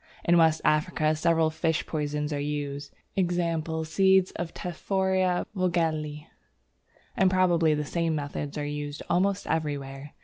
In West Africa several fish poisons are in use (e.g. seeds of Tephrosia Vogelii), and probably the same methods are used almost everywhere.